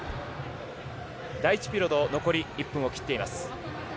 第１ピリオド残り１分を切っています。